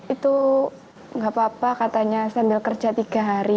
itu nggak apa apa katanya sambil kerja tiga hari